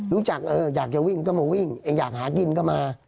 รู้จักอยากจะวิ่งก็มาวิ่งอยากหากินก็มา